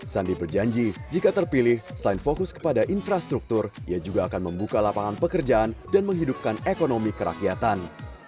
sandi berjanji jika terpilih selain fokus kepada infrastruktur ia juga akan membuka lapangan pekerjaan dan menghidupkan ekonomi kerakyatan